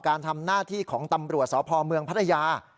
การทำหน้าที่ของตำรวจสพเมืองพัทยา